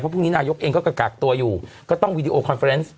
พรุ่งนี้นายกเองก็กากตัวอยู่ก็ต้องวีดีโอคอนเฟอร์เนส